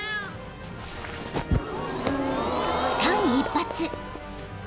［間一髪］